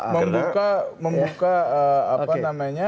membuka membuka apa namanya